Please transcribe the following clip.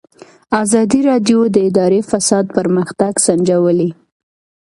ازادي راډیو د اداري فساد پرمختګ سنجولی.